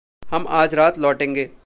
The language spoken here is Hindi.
हम आज रात लौटेंगे।